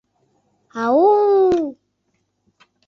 — Ау-у!